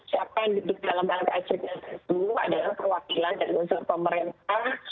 siapa yang duduk dalam lks rignar itu adalah perwakilan dan konsul pemerintah